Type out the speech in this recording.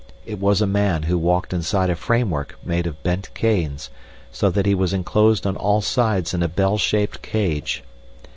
It was a man who walked inside a framework made of bent canes so that he was enclosed on all sides in a bell shaped cage.